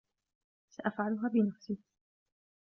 سأفعلها بنفسي.